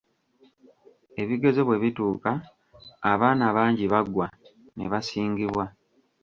Ebigezo bwe bituuka, abaana bangi bagwa, ne basingibwa.